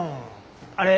あれ？